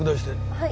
はい。